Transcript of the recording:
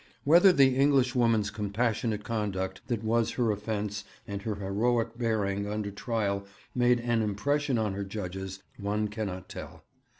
Whether the Englishwoman's compassionate conduct that was her offence and her heroic bearing under trial made an impression on her judges, one cannot tell.